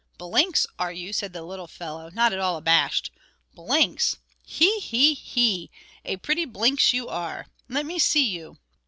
"Blinks, are you?" said the little fellow, not at all abashed. "Blinks! He! he! he! a pretty Blinks you are. Let me see you."